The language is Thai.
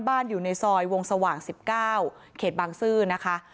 อยู่ในซอยวงสว่าง๑๙เขตบางซื่อนะคะ